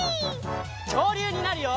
きょうりゅうになるよ！